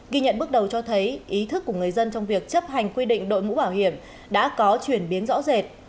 ghi nhận bước đầu cho thấy ý thức của người dân trong việc chấp hành quy định đội mũ bảo hiểm đã có chuyển biến rõ rệt